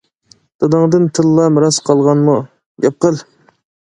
داداڭدىن تىللا مىراس قالغانمۇ؟ . -گەپ قىل.